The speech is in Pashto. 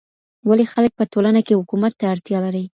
ولي خلګ په ټولنه کي حکومت ته اړتيا لري؟